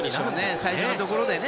最初のところでね